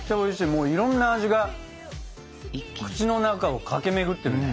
もういろんな味が口の中を駆け巡ってるね。